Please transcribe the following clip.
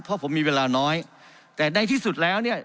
เพราะผมมีเวลาน้อยแต่ในที่สุดแล้วเนี่ย